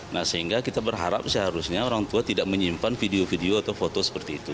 nah sehingga kita berharap seharusnya orang tua tidak menyimpan video video atau foto seperti itu